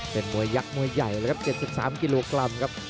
เป็นมวยยักษ์มวยใหญ่เลยครับ๗๓กิโลกรัมครับ